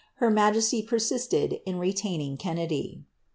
Her majesty pttMi ed ill retaining Kennedy.